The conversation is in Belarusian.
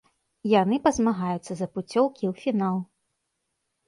Яны пазмагаюцца за пуцёўкі ў фінал.